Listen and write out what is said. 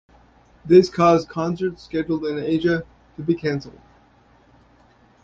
This caused concerts scheduled in Asia to be cancelled.